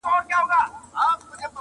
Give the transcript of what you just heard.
نه یې څه پیوند دی له بورا سره.!